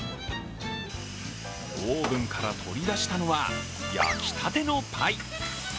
オーブンから取り出したのは、焼きたてのパイ。